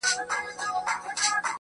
اوس چي سهار دى گراني_